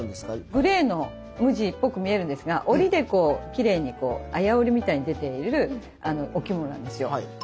グレーの無地っぽく見えるんですが織りでこうきれいにこう綾織りみたいに出ているお着物なんですよ。